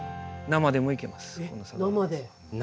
生でいけます。